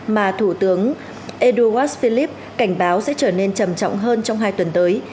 mà thủ tướng edouard philippe cảnh báo sẽ trở nên trầm trọng hơn trong hai tuần tới